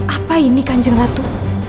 apa ini kanjeng ratu